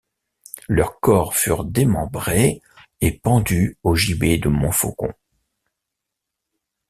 Leurs corps furent démembrés et pendus au gibet de Montfaucon.